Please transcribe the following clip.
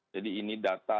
jadi ini data